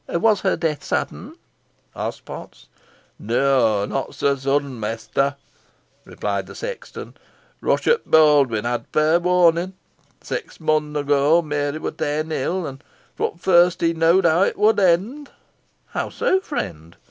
"Was her death sudden?" asked Potts. "Neaw, not so sudden, mester," replied the sexton. "Ruchot Baldwyn had fair warnin'. Six months ago Meary wur ta'en ill, an fro' t' furst he knoad how it wad eend." "How so, friend?"